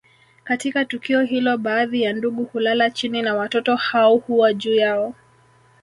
Katika tukio hilo baadhi ya ndugu hulala chini na watoto hao huwa juu yao